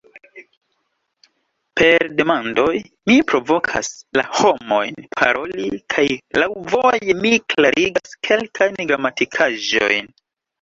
Per demandoj mi "provokas" la homojn paroli, kaj "laŭvoje" mi klarigas kelkajn gramatikaĵojn.